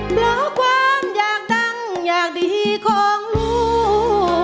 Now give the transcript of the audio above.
เพราะความอยากดังอยากดีของลูก